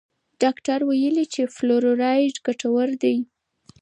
ډاکټر ویلي دي چې فلورایډ ګټور دی.